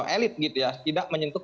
elit gitu ya tidak menyentuh